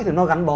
thì nó gắn bó